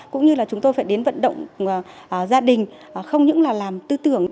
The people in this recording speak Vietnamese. cũng như là chúng tôi phải đến vận động gia đình không những là làm tư tưởng